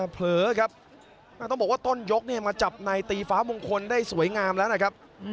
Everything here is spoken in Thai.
เผลอครับต้องบอกว่าต้นยกมาจับในตีฟ้ามงคลได้สวยงามแล้วนะครับ